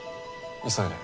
急いで。